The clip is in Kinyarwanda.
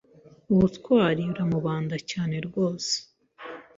Ubutwari buramubanda cyane rwose